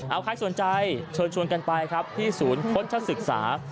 เอาใครสนใจชวนกันไปครับที่ศูนย์ค้นชาติศึกษา